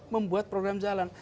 membuat program jalan